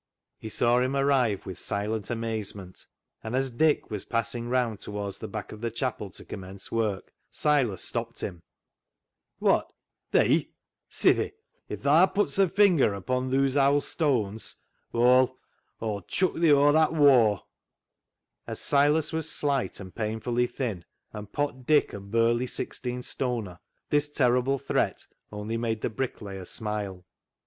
He saw him arrive with silent amazement, and as Dick was passing round towards the back of the chapel to commence work, Silas stopped him —" Wot ! Thee ! Sithee, if thaa puts a jfinger upo' thuse owd stooans Aw'll — Aw'll chuck thi o'er that waw." As Silas was slight and painfully thin, and Pot Dick a burly sixteen stoner, this terrible threat only made the bricklayer smile.